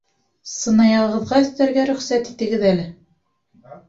Сынаяғығыҙға өҫтәргә рөхсәт итегеҙ әле?